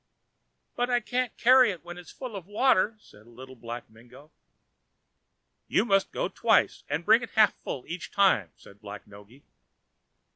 "But I can't carry that when it is full of water," said Little Black Mingo. "You must go twice, and bring it half full each time," said Black Noggy.